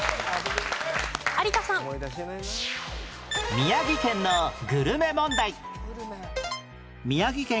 宮城県のグルメ問題